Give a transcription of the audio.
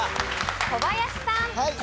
小林さん。